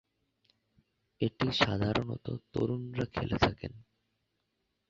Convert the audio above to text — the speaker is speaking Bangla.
এটি সাধারণত তরুণরা খেলে থাকেন।